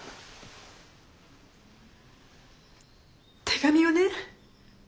手紙をね。